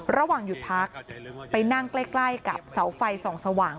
ระหว่างหยุดพักไปนั่งใกล้กับเสาไฟส่องสว่าง